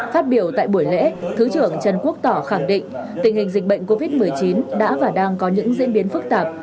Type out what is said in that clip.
phát biểu tại buổi lễ thứ trưởng trần quốc tỏ khẳng định tình hình dịch bệnh covid một mươi chín đã và đang có những diễn biến phức tạp